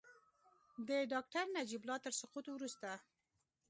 د ډاکټر نجیب الله تر سقوط وروسته.